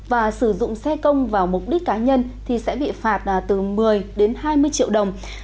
và sử dụng xe công vào mục đích cá nhân thì sẽ bị phạt từ một mươi đến hai mươi triệu đồng